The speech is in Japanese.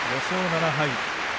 ５勝７敗。